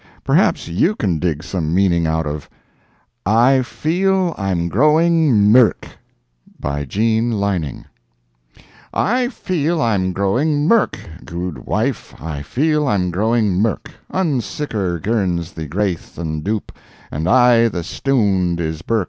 Perhaps you can dig some meaning out of— I FEEL I'M GROWING MIRK by Jean Lining I feel I'm growing mirk, gude wife, I feel I'm growing mirk, Unsicker girns the graith an' doup, An' aye, the stound is birk.